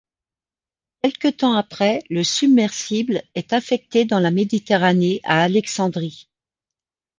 Quelque temps après, le submersible est affecté dans la Méditerranée, à Alexandrie.